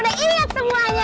udah inget semuanya